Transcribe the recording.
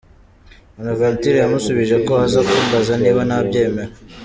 Bonaventure yamusubije ko aza kumbaza niba nabyemera.